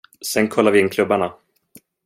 Sen kollar vi in klubbarna.